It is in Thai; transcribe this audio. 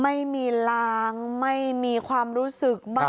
ไม่มีล้างไม่มีความรู้สึกบ้าง